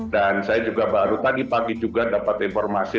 dan saya juga baru tadi pagi juga dapat informasi